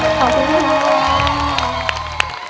ขอบคุณครับ